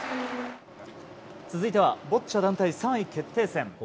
続いてはボッチャ団体３位決定戦。